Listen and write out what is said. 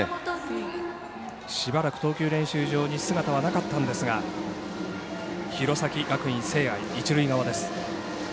しばらく投球練習場に姿はなかったんですが弘前学院聖愛、一塁側です。